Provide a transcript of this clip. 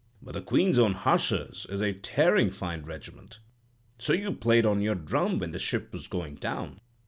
But the Queen's Own Hussars is a tearin' fine regiment. So you played on your drum when the ship was goin' down?